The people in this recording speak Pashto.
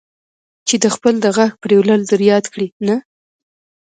چې خپل د غاښ پرېولل در یاد کړي، نه.